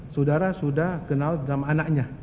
saudara sudah kenal sama anaknya